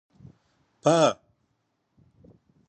په